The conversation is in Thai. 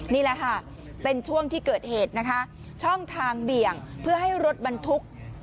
นี่แหละค่ะเป็นช่วงที่เกิดเหตุนะคะช่องทางเบี่ยงเพื่อให้รถบรรทุก